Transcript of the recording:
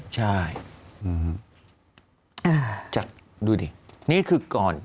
ใช่จากดูดินี่คือก่อน